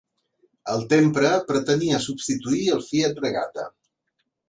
El Tempra pretenia substituir el Fiat Regata.